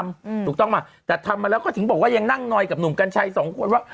อืมถูกต้องไหมแต่ทำมาแล้วก็ถึงบอกว่ายังนั่งนอยกับหนุ่มกัญชัยสองคนว่า